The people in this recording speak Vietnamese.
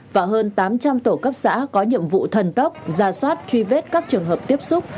và hơn tám trăm linh tổ cấp xã có nhiệm vụ thần tốc ra soát truy vết các trường hợp tiếp xúc